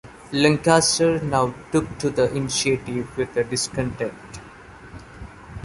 Lancaster now took the initiative with the discontented.